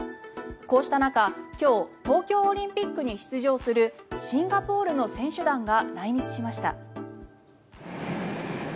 こうした中、今日東京オリンピックに出場するシンガポールの選手団が来日しました。